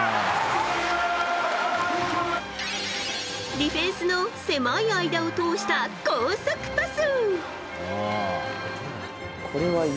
ディフェンスの狭い間を通した高速パス。